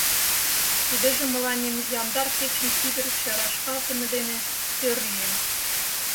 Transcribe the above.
Тидыже мыланем яндар кечын кӱдырчӧ рашкалтыме дене тӧр лие.